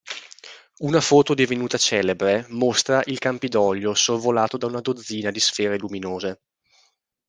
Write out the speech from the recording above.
Una foto divenuta celebre mostra il Campidoglio sorvolato da una dozzina di sfere luminose.